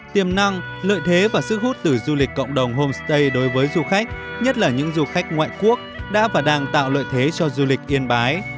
tiềm năng lợi thế và sức hút từ du lịch cộng đồng homestay đối với du khách nhất là những du khách ngoại quốc đã và đang tạo lợi thế cho du lịch yên bái